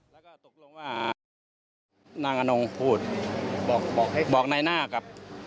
แล้วก็ตกลงว่านางอนงพูดบอกให้บอกนายหน้ากับ